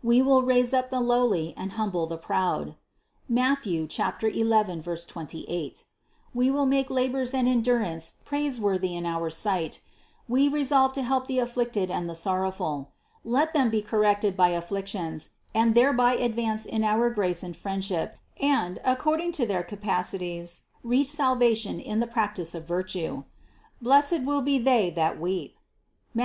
We will raise up the lowly and humble the proud (Matth. 11, 28) ; we will 110 CITY OF GOD make labors and endurance praiseworthy in our sight; we resolve to help the afflicted and the sorrowful. Let them be corrected by afflictions and thereby advance in our grace and friendship and, according to their capa bilities, reach salvation in the practice of virtue. Blessed will be they that weep (Matth.